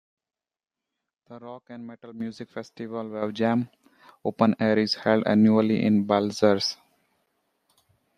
The rock and metal music festival Wavejam Openair is held annually in Balzers.